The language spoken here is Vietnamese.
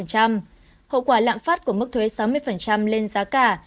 hậu quả lạm phát của mức thuế sáu mươi lên giá cả